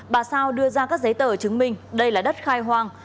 bà sao đưa ra các giấy tờ chứng minh đây là đất khai hoang